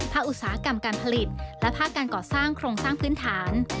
อุตสาหกรรมการผลิตและภาคการก่อสร้างโครงสร้างพื้นฐาน